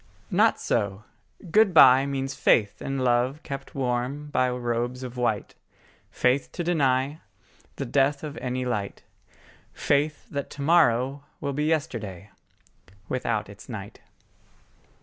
Not so: good bye Means faith in love kept warm by robes of white, Faith to deny The death of any light, Faith that to morrow will be yesterday Without its night.